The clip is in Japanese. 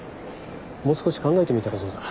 もう少し考えてみたらどうだ？